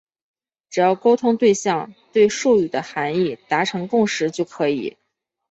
只要沟通对象对术语的含义达成共识就可以。